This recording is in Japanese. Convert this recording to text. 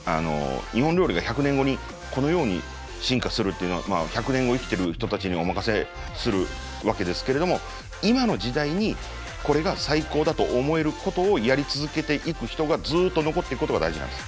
日本料理が１００年後にこのように進化するっていうのは１００年後生きてる人たちにお任せするわけですけれども今の時代にこれが最高だと思えることをやり続けていく人がずっと残っていくことが大事なんです。